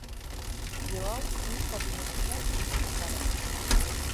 Билал үҙ кабинетында видик ҡарай.